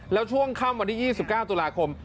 แล้วช่วงค่ำวันที่๒๙ตุลาคม